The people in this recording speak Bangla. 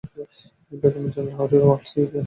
বেগমের জন্ম লাহোরের ওয়াল্ড সিটিতে।